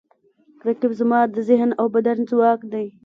رقیب زما د ذهن او بدن ځواک دی